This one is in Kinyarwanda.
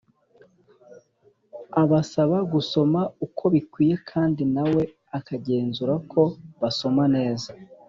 Abasaba gusoma uko bikwiye kandi na we akagenzura ko basoma neza